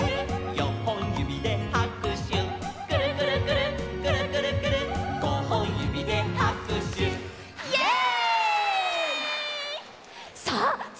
「よんほんゆびではくしゅ」「くるくるくるっくるくるくるっごほんゆびではくしゅ」イエイ！